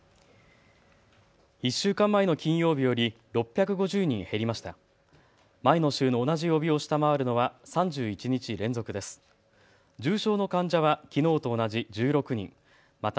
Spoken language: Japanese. １週間前の金曜日より６５０人減りました。